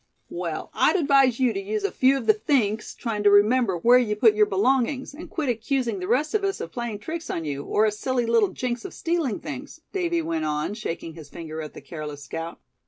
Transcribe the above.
"Well, I'd advise you to use a few of the thinks trying to remember where you put your belongings; and quit accusing the rest of us of playing tricks on you; or a silly little jinx of stealing things." Davy went on, shaking his finger at the careless scout.